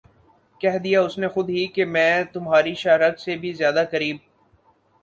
کہہ دیا اس نے خود ہی کہ میں تمھاری شہہ رگ سے بھی زیادہ قریب